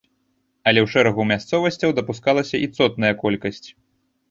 Але ў шэрагу мясцовасцяў дапускалася і цотная колькасць.